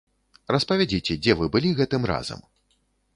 Распавядзіце, дзе вы былі гэтым разам?